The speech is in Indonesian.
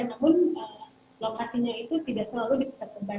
namun lokasinya itu tidak selalu di pusat beban